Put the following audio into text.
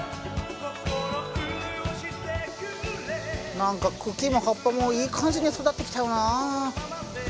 何か茎も葉っぱもいい感じに育ってきたよな。